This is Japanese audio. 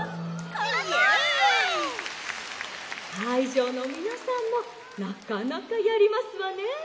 「かいじょうのみなさんもなかなかやりますわね！